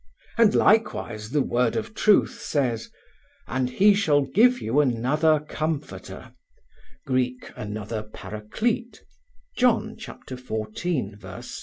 And likewise the word of truth says: "And he shall give you another comforter" (Greek "another Paraclete," John, xiv, 16).